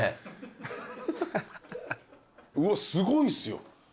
うわっすごいっすよ。